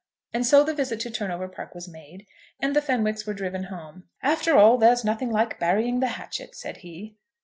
And so the visit to Turnover Park was made, and the Fenwicks were driven home. "After all, there's nothing like burying the hatchet," said he.